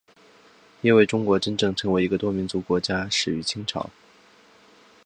因为中国真正成为一个多民族国家始于清朝。